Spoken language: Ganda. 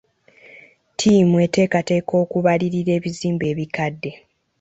Ttiimu eteekateeka okubalirira ebizimbe ebikadde.